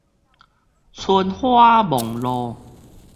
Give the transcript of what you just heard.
春花望露